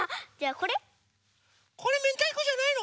これめんたいこじゃないの？